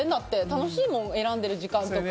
楽しいもん、選んでる時間とか。